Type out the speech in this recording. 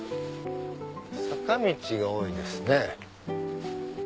坂道が多いですね。